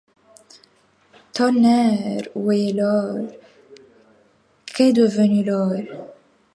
Tonnerre, où est l’or, qu’est devenu l’or?